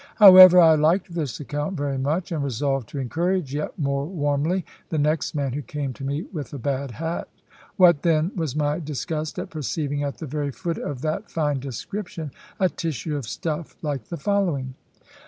However, I liked this account very much, and resolved to encourage yet more warmly the next man who came to me with a bad hat. What, then, was my disgust at perceiving, at the very foot of that fine description, a tissue of stuff like the following!